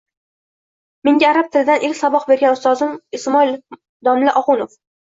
Menga arab tilidan ilk saboq bergan ustozim Ismoil domla Oxunov